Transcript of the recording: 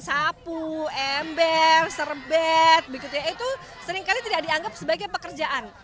sapu ember serbet itu seringkali tidak dianggap sebagai pekerjaan